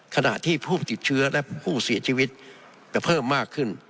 ขณะที่ผู้ติดเชื้อและผู้เสียชีวิตจะเพิ่มมากขึ้น